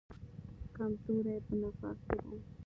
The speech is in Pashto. کمزوري یې په نفاق کې ده.